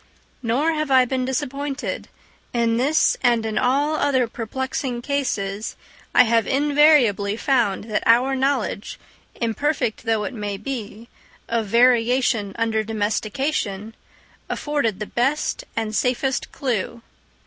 Nor have I been disappointed; in this and in all other perplexing cases I have invariably found that our knowledge, imperfect though it be, of variation under domestication, afforded the best and safest clue.